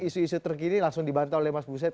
isu isu terkini langsung dibantah oleh mas buset